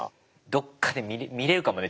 どっかで見れるかもね